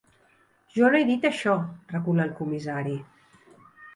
Jo no he dit això —recula el comissari—.